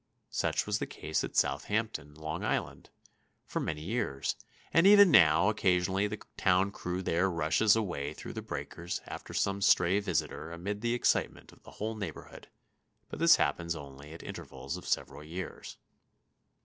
Such was the case at Southampton, Long Island, for many years, and even now, occasionally, the town crew there rushes away through the breakers after some stray visitor amid the excitement of the whole neighborhood, but this happens only at intervals of several years.